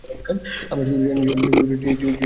আমরা শুধু জানি যে টিএটিপি বিস্ফোরক ব্যবহার করা হয়েছিল।